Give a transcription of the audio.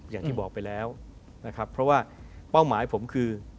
อย่างที่บอกไปแล้วนะครับเพราะว่าเป้าหมายผมคือ